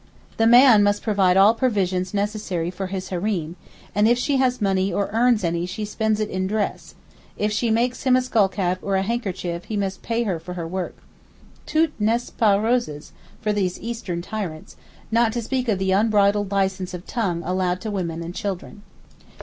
The man must provide all necessaries for his Hareem, and if she has money or earns any she spends it in dress; if she makes him a skullcap or a handkerchief he must pay her for her work. Tout n'est pas roses for these Eastern tyrants, not to speak of the unbridled license of tongue allowed to women and children.